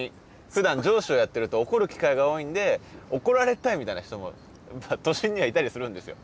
ふだん上司をやってると怒る機会が多いんで怒られたいみたいな人も都心にはいたりするんですよ。